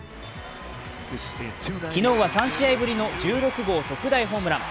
昨日は３試合ぶりの１６号特大ホームラン。